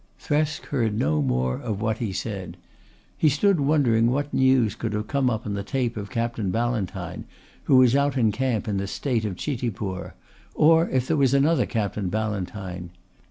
Thresk heard no more of what he said. He stood wondering what news could have come up on the tape of Captain Ballantyne who was out in camp in the state of Chitipur, or if there was another Captain Ballantyne.